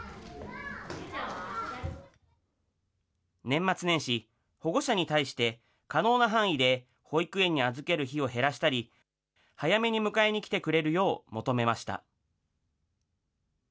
年末年始、保護者に対して、可能な範囲で保育園に預ける日を減らしたり、早めに迎えに来てくれるよう求めました。